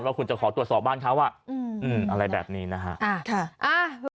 ว่าคุณจะขอตรวจสอบบ้านเขาอ่ะอืมอะไรแบบนี้นะฮะ